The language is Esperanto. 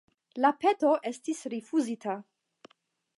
La peto estis rifuzita.